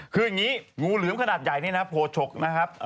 คืออย่างนี้งูเหลือมขนาดใหญ่นี่นะโผล่ฉกนะครับ